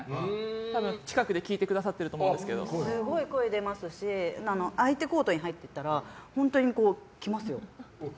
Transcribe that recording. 多分近くで聞いてくださっているとすごい声出ますし相手コートに入っていったら本当に来ますよ。